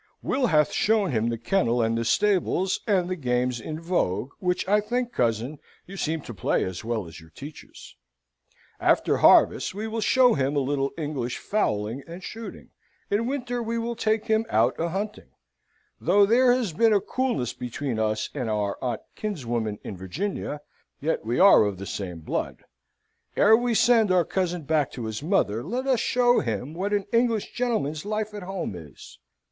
Will hath shown him the kennel and the stables; and the games in vogue, which I think, cousin, you seem to play as well as your teachers. After harvest we will show him a little English fowling and shooting: in winter we will take him out a hunting. Though there has been a coolness between us and our aunt kinswoman in Virginia, yet we are of the same blood. Ere we send our cousin back to his mother, let us show him what an English gentleman's life at home is.